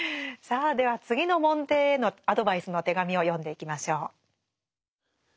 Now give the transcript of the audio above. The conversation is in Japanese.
さあでは次の門弟へのアドバイスの手紙を読んでいきましょう。